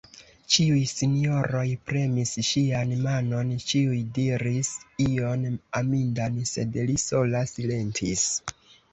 Ĉiuj sinjoroj premis ŝian manon, ĉiuj diris ion amindan, sed li sola silentis.